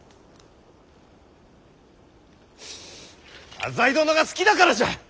浅井殿が好きだからじゃ！